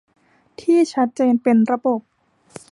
ที่ชัดเจนเป็นระบบ